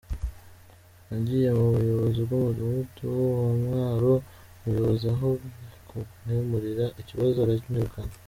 Nagiye mu buyobozi bw’Umudugudu wa Mwaro, umuyobozi aho kunkemurira ikibazo aranyirukana.